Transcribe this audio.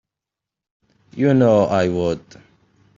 You know I would.